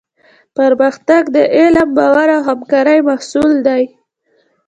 پرمختګ د علم، باور او همکارۍ محصول دی.